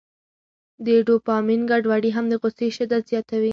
د ډوپامین ګډوډي هم د غوسې شدت زیاتوي.